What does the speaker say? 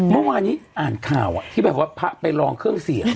เมื่อวานนี้อ่านข่าวที่แบบว่าพระไปลองเครื่องเสียง